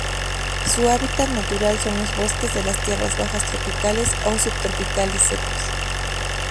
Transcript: Su hábitat natural son los bosques de las tierras bajas tropicales o subtropicales secos.